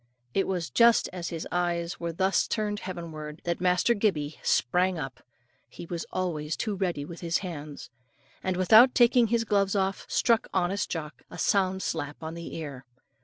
It was just as his eyes were thus turned heavenward, that Master Gibbey sprang up he was always too ready with his hands and without taking his gloves off, struck honest Jock a sound slap on the ear.